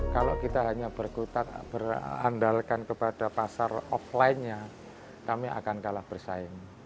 kalau kita hanya berkutat berandalkan kepada pasar offline nya kami akan kalah bersaing